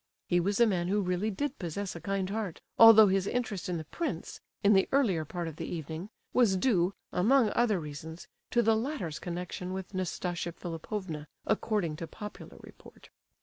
He was a man who really did possess a kind heart, although his interest in the prince, in the earlier part of the evening, was due, among other reasons, to the latter's connection with Nastasia Philipovna, according to popular report.